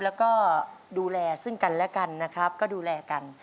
แล้วก็ดูแลซึ่งกันและกันนะครับก็ดูแลกัน